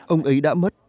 ông ấy đã mất